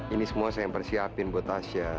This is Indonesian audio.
ini semua saya yang persiapin buat asia